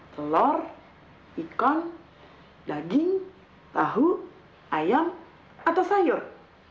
telur ikan daging tahu ayam atau sayur